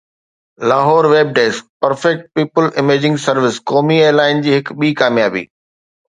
Lahore (web desk) perfect people amazing service قومي air line جي هڪ ٻي ڪاميابي